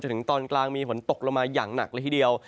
ถึงตอนกลางมีฝนตกลงมาอย่างหนักเลยทีเดียว